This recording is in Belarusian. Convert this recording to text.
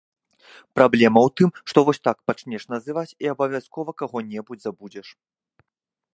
Праблема ў тым, што вось так пачнеш называць, і абавязкова каго-небудзь забудзеш!